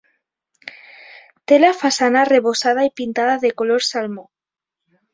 Té la façana arrebossada i pintada de color salmó.